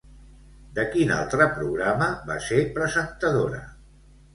De quin altre programa va ser presentadora?